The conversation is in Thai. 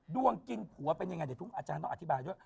ดวงกินผัวเป็นยังไงเดี๋ยวทุกอาจารย์ต้องอธิบายด้วย